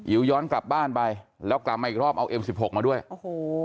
ย้อนกลับบ้านไปแล้วกลับมาอีกรอบเอาเอ็มสิบหกมาด้วยโอ้โห